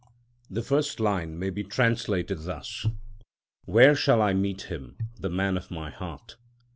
The first line may be translated thus: "Where shall I meet him, the Man of my Heart?"